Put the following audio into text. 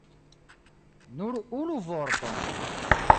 Nur unu vorton!